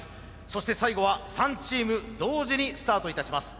そして最後は３チーム同時にスタートいたします。